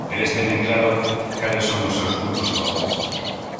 Eles teñen claro cales son os seus puntos fortes.